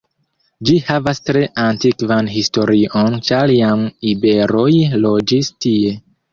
Ĝi havas tre antikvan historion ĉar jam iberoj loĝis tie.